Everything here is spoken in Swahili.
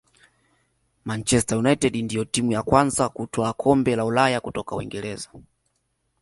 manchester united ndiyo timu ya kwanza kutwaa kombe la ulaya kutoka uingereza